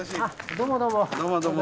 どうもどうも。